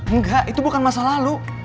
enggak itu bukan masa lalu